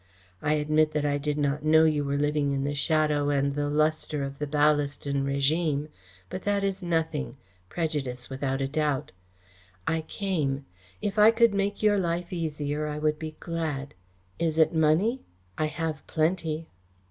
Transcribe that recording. I admit that I did not know that you were living in the shadow and the lustre of the Ballaston régime, but that is nothing prejudice, without a doubt. I came. If I could make your life easier, I would be glad. Is it money? I have plenty."